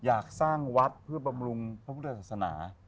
อยากสร้างวัดเพื่อบำรุงพระพุทธศาสนา